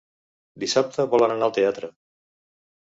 Dissabte volen anar al teatre.